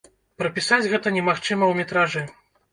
Прапісаць гэта немагчыма ў метражы.